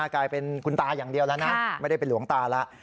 กลายเป็นคุณตาอย่างเดียวแล้วนะไม่ได้เป็นหลวงตาแล้ว